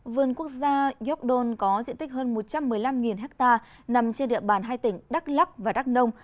vườn quốc gia gióc đôn có diện tích hơn một trăm một mươi năm ha nằm trên địa bàn hai tỉnh đắk lắc và đắk nông